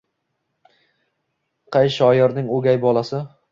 Qay shoirning oʼgay bolasi